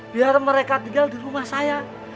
biar mereka tinggal di rumah saya